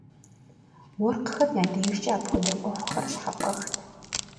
Уэркъхэм я дежкӀэ апхуэдэ Ӏуэхухэр щхьэфӀэхт.